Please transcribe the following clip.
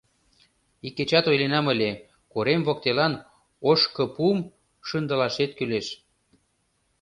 Икечат ойленам ыле, корем воктелан ошкыпум шындылашет кӱлеш.